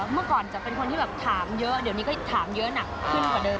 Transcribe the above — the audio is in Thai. เมื่อก่อนจะเป็นคนที่แบบถามเยอะเดี๋ยวนี้ก็ถามเยอะหนักขึ้นกว่าเดิม